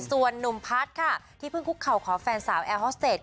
ส่วนนุ่มพัฒน์ค่ะที่เพิ่งคุกเข่าขอแฟนสาวแอร์ฮอสเตจ